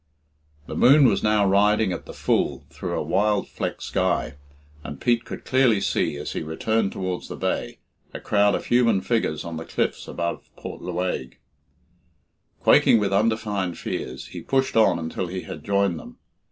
The moon was now riding at the full through a wild flecked sky, and Pete could clearly see, as he returned towards the bay, a crowd of human figures on the cliffs above Port Lewaige. Quaking with undefined fears, he pushed on until he had joined them.